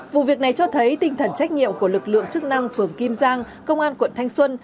vụ việc này cho thấy tinh thần trách nhiệm của lực lượng chức năng phường kim giang công an quận thanh xuân